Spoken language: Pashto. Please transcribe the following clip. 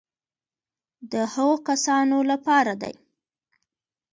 د هغو کسانو لپاره دي.